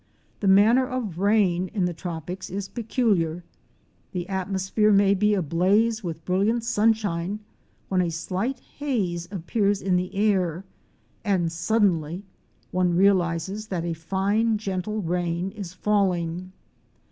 The manner of rain in the tropics is peculiar: the atmos phere may be ablaze with brilliant sunshine, when a slight haze appears in the air and suddenly one realizes that a fine gentle rain is falling.